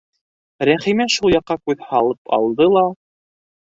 Рәхимә шул яҡҡа күҙ һалып алды ла: